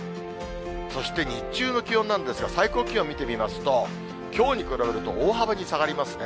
そして、日中の気温なんですが、最高気温見てみますと、きょうに比べると大幅に下がりますね。